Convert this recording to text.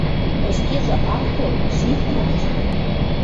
— Ӹшкежӹ ак тол, «шит» манеш.